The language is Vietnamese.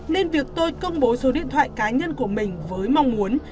nên việc tôi công bố số điện thoại cá nhân của mình với mong muốn